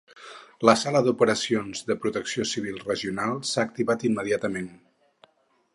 La sala d’operacions de protecció civil regional s’ha activat immediatament.